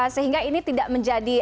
sehingga ini tidak menjadi